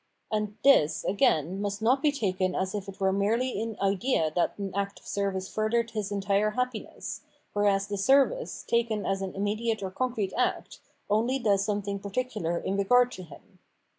And this, again, must not be taken as if it were merely in idea that an act of service furthered his entire happiness, whereas the service, taken as an immediate or concrete act, only does something particular in regard to him.